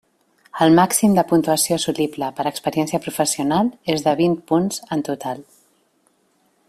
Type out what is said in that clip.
El màxim de puntuació assolible per experiència professional és de vint punts en total.